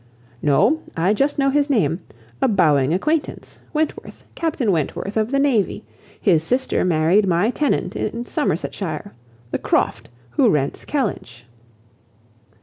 "No, I just know his name. A bowing acquaintance. Wentworth; Captain Wentworth of the navy. His sister married my tenant in Somersetshire, the Croft, who rents Kellynch."